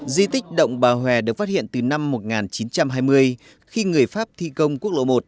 di tích động bà hòe được phát hiện từ năm một nghìn chín trăm hai mươi khi người pháp thi công quốc lộ một